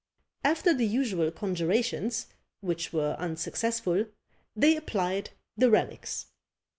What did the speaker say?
After the usual conjurations, which were unsuccessful, they applied the relics.